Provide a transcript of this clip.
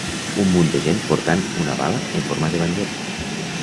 Un munt de gent portant una bala en forma de bandera.